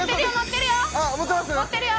持ってるよ！